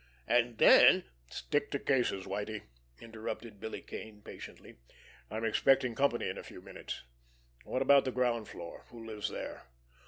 An' den——" "Stick to cases, Whitie," interrupted Billy Kane patiently. "I'm expecting company in a few minutes. What about the ground floor? Who lives there?"